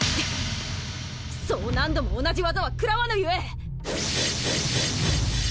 そう何度も同じ技は食らわぬゆえ！